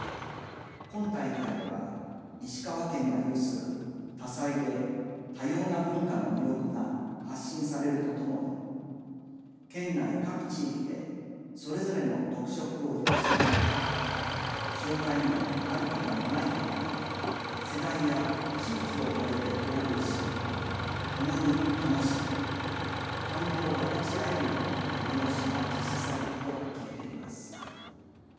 今大会では石川県が有する多彩で多様な文化の魅力が発信されるとともに県内各地域でそれぞれの特色を活かしながら障害のある方もない方も世代や地域を超えて交流し共に楽しみ感動を分かち合えるような催しが実施されると聞いています。